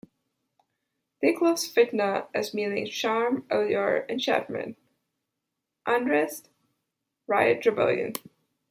They gloss "fitna" as meaning "charm, allure, enchantment; unrest; riot, rebellion.